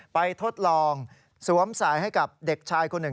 ทดลองสวมสายให้กับเด็กชายคนหนึ่ง